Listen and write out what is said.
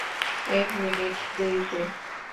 এক মিনিট দেরিতে।